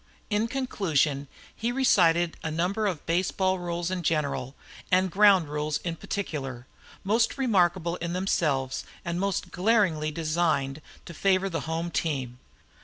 In conclusion, he recited a number of baseball rules in general and ground rules in particular, most remarkable in themselves and most glaringly designed to favor the home team.